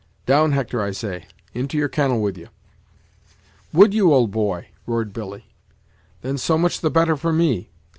Down, Hector, I say; into your kennel with ye." "Would you, old boy?" roared Billy; "then so much the better for me.